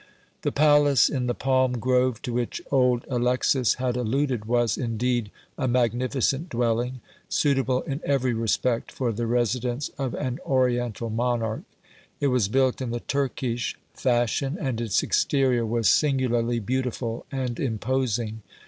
The palace in the palm grove to which old Alexis had alluded was, indeed, a magnificent dwelling, suitable in every respect for the residence of an oriental monarch. It was built in the Turkish fashion and its exterior was singularly beautiful and imposing.